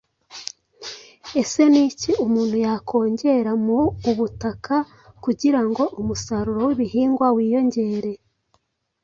Ese ni iki umuntu yakongera mu ubutaka kugira ngo umusaruro w’ibihingwa wiyongere?